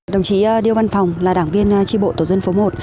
đồng chí điêu văn phòng là đảng viên tri bộ tổ dân phố một